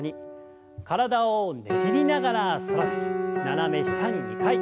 体をねじりながら反らせて斜め下に２回。